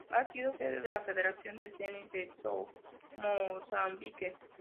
Ha sido sede de la Federación de Tenis de Mozambique.